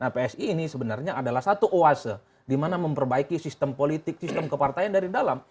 psi ini sebenarnya adalah satu oase di mana memperbaiki sistem politik sistem kepartaian dari dalam